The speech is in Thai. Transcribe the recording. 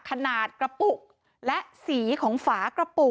ขนาดกระปุกและสีของฝากระปุก